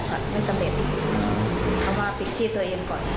ไม่สำเร็จคำว่าปิดชีพตัวเองก่อน